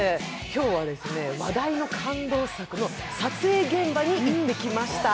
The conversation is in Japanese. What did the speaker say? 今日は話題の感動作の撮影現場に行ってきました。